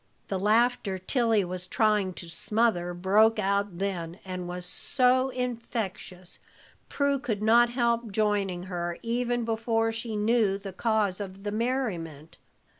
The laughter Tilly was trying to smother broke out then, and was so infectious, Prue could not help joining her, even before she knew the cause of the merriment.